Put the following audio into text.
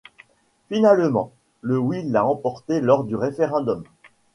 Finalement, le oui l'a emporté lors du référendum.